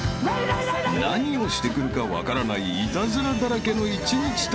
［何をしてくるか分からないイタズラだらけの１日旅］